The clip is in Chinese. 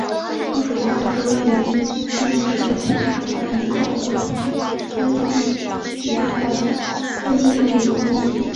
张曙光教授认为禁运是促成中华人民共和国进行大跃进与反右运动的一个因素。